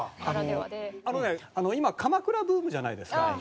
あのね今鎌倉ブームじゃないですか。